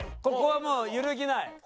ここはもう揺るぎない？